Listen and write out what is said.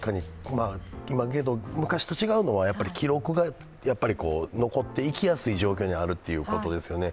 けど、昔と違うのは記録が残っていきやすい状況にあるということですよね。